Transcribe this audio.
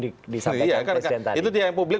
disampaikan presiden tadi itu dia yang publik